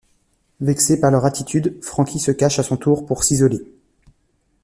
Vexé par leur attitude, Franki se cache à son tour pour s'isoler.